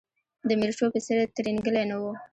د میرشو په څېر ترینګلی نه و.